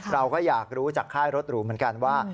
เราก็อยากรู้จากค่ายรถหรูเหมือนกันว่า